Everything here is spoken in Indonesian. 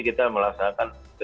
kita melakukan pencarian bibit